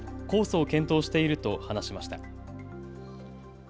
控訴を検討していると話しました。